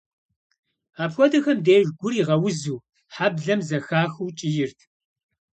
Апхуэдэхэм деж, гур игъэузу, хьэблэм зэхахыу кӏийрт.